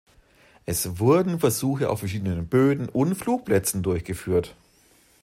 Es wurden Versuche auf verschiedenen Böden und Flugplätzen durchgeführt.